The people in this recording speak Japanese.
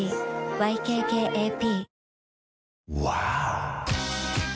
ＹＫＫＡＰ